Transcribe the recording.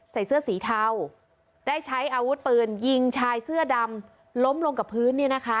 ใส่เสื้อสีเทาได้ใช้อาวุธปืนยิงชายเสื้อดำล้มลงกับพื้น